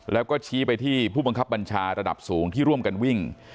แล้วก็ชี้ไปที่ผู้บังคับบัญชาระดับสูงที่ร่วมกันวิ่ง